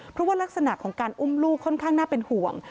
เพราะว่ารักษณะของการอุ้มลูกค่อนข้างน่าเป็นห่วง